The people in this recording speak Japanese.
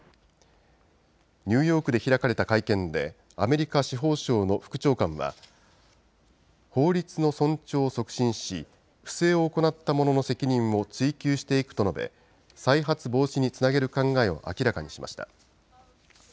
ニューヨークで開かれた会見でアメリカ司法省の副長官は法律の尊重を促進し不正を行った者の責任を追及していくと述べ再発防止につなげる考えを明らかにしました。